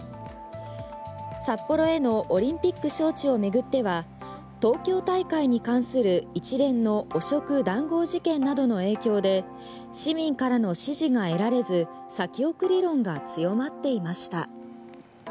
札幌へのオリンピック招致を巡っては東京大会に関する一連の汚職・談合事件などの影響で市民からの支持が得られず先送り論が強まっていました。